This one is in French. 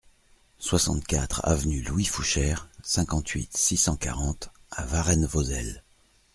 soixante-quatre avenue Louis Fouchere, cinquante-huit, six cent quarante à Varennes-Vauzelles